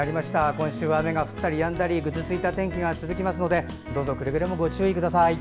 今週は雨が降ったりやんだりぐずついた天気が続きますのでくれぐれもご注意ください。